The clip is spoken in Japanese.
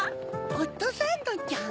ホットサンドちゃん？